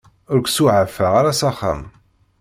Ur k-suɛfeɣ ara s axxam.